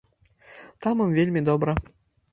Там ім вельмі добра!